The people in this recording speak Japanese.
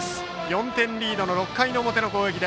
４点リードの６回表の攻撃。